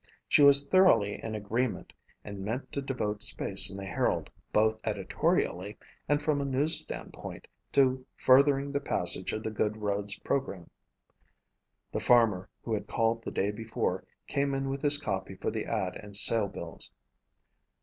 She was thoroughly in agreement and meant to devote space in the Herald, both editorially and from a news standpoint, to furthering the passage of the good roads program. The farmer who had called the day before came in with his copy for the ad and sale bills.